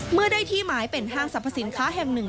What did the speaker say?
เมื่อได้ที่หมายเป็นห้างสรรพสินค้าแห่งหนึ่ง